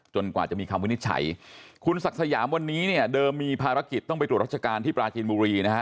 กว่าจะมีคำวินิจฉัยคุณศักดิ์สยามวันนี้เนี่ยเดิมมีภารกิจต้องไปตรวจราชการที่ปราจีนบุรีนะฮะ